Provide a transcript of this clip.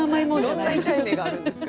どんな痛い目があるんですか。